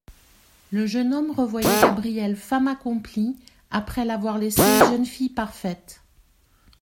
Le jeune homme revoyait Gabrielle femme accomplie après l'avoir laissée jeune fille parfaite.